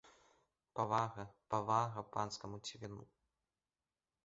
Павага, павага панскаму цівуну!